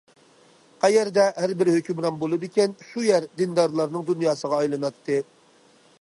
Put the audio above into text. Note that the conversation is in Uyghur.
قەيەردە ھەربىر ھۆكۈمران بولىدىكەن، شۇ يەر دىندارلارنىڭ دۇنياسىغا ئايلىناتتى.